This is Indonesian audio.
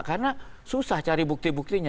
karena susah cari bukti buktinya